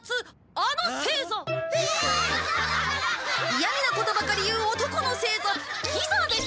嫌味なことばかり言う男の星座キ座です。